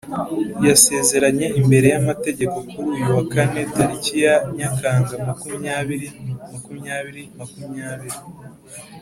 Yasezeranye imbere y’amategeko kuri uyu wa Kane tariki ya Nyakanga makumyabiri makumyabiri makumyabiri